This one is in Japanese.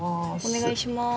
お願いします。